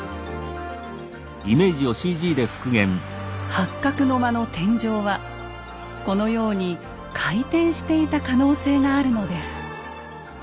八角の間の天井はこのように回転していた可能性があるのです。